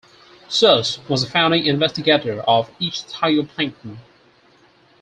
Sars was a founding investigator of ichthyoplankton.